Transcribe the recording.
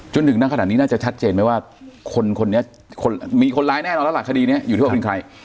จนถึงทางขนาดนี้น่าจะชัดเจนไหมว่าคนคนเนี้ยคนมีคนร้ายแน่ละละคดีเนี้ยอยู่ที่บุคคลใคร